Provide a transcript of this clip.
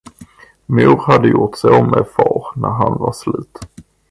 Mor hade gjort så med far, när han var slut.